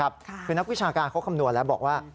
คือนักวิชาการเขาคำนวณแล้วบอกว่า